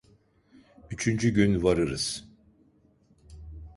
Üçüncü gün varırız.